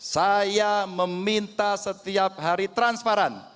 saya meminta setiap hari transparan